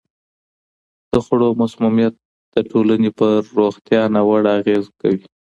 د خوړو مسمومیت د ټولنې په روغتیا ناوړه اغېزه کوي.